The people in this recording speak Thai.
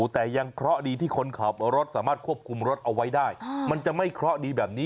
แต่ยังเคราะห์ดีที่คนขอบรถสามารถควบคุมรถเอาไว้ได้